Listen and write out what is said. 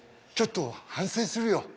ちょっと反省するよ。